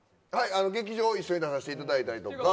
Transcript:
劇場で一緒に出させていただいたりとか。